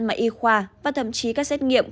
mà y khoa và thậm chí các xét nghiệm